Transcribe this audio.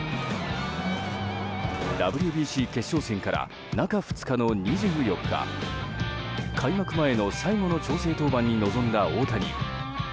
ＷＢＣ決勝戦から中２日の２４日開幕前の最後の調整登板に臨んだ大谷。